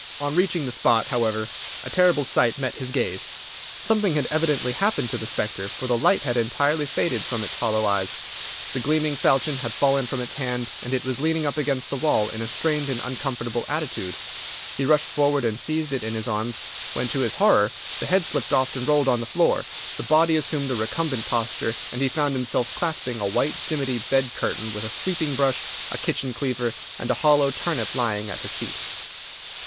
On reaching the spot, however, a terrible sight met his gaze. Something had evidently happened to the spectre, for the light had entirely faded from its hollow eyes, the gleaming falchion had fallen from its hand, and it was leaning up against the wall in a strained and uncomfortable attitude. He rushed forward and seized it in his arms, when, to his horror, the head slipped off and rolled on the floor, the body assumed a recumbent posture, and he found himself clasping a white dimity bed curtain, with a sweeping brush, a kitchen cleaver, and a hollow turnip lying at his feet!